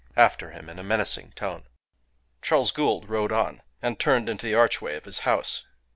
after him in a menacing tone. Charles Gould rode on, and turned into the archway of his house.